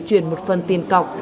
chuyển một phần tiền cọc